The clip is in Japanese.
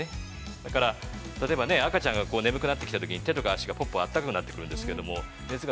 だから、例えば、赤ちゃんが眠くなってきたときに、手とか足が温かくなってくるんですけれども。